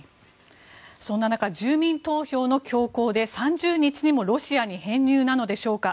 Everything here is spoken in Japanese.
そんな中、住民投票強行で３０日にもロシアに編入なのでしょうか。